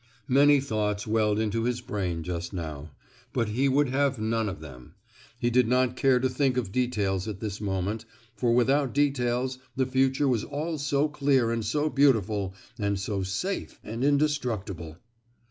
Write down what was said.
Many thoughts welled into his brain just now, but he would have none of them; he did not care to think of details at this moment, for without details the future was all so clear and so beautiful, and so safe and indestructible!